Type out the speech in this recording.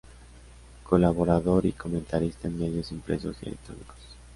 Colaborador y comentarista en medios impresos y electrónicos.